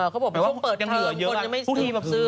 เขาบอกว่าบุตรเปิดเทอมคนจะไม่ซื้อ